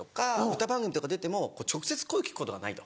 歌番組とか出ても直接声聞くことがないと。